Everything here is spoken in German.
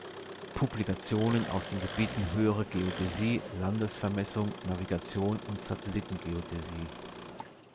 Publikationen aus den Gebieten Höhere Geodäsie, Landesvermessung, Navigation und Satellitengeodäsie.